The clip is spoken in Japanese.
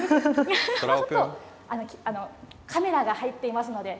ちょっと、カメラが入っていますので。